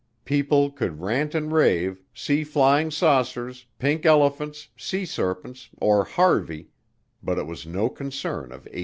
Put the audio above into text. People could rant and rave, see flying saucers, pink elephants, sea serpents, or Harvey, but it was no concern of ATIC's.